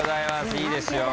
いいですよ。